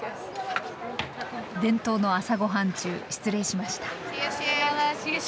伝統の朝ごはん中失礼しました。